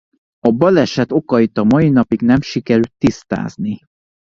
A baleset okait a mai napig nem sikerült tisztázni.